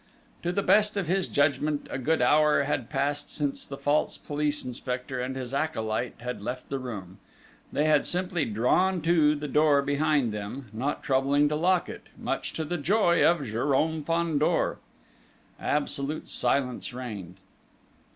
To the best of his judgment, a good hour had passed since the false police inspector and his acolyte had left the room. They had simply drawn to the door behind them, not troubling to lock it, much to the joy of Jérôme Fandor. Absolute silence reigned.